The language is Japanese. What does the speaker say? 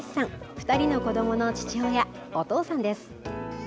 ２人の子どもの父親、お父さんです。